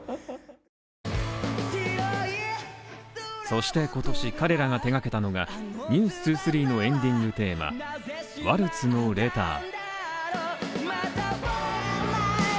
そして今年、彼らが手がけたのが「ｎｅｗｓ２３」のエンディングテーマ「ワルツのレター」。